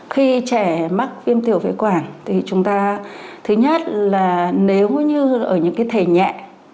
khi trẻ mắc viêm tiểu phế quản thì chúng ta thứ nhất là nếu như ở những cái thể nhẹ